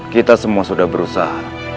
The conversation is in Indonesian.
kita semua sudah berusaha